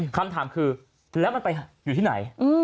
คำถามคือแล้วมันไปอยู่ที่ไหน